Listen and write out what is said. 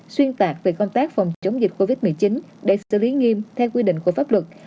xuyên tạc về công tác phòng chống dịch covid một mươi chín để xử lý nghiêm theo quy định của pháp luật